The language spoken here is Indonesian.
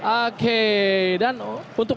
oke dan untuk